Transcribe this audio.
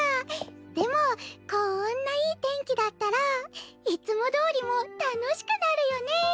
でもこんないい天気だったらいつもどおりも楽しくなるよね。